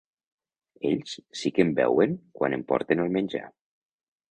Ells sí que em veuen quan em porten el menjar.